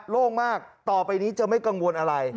โล่งมากต่อไปนี้จะไม่กังวลอะไร